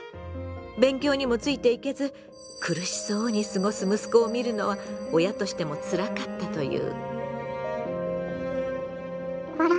勉強にもついていけず苦しそうに過ごす息子を見るのは親としてもつらかったという。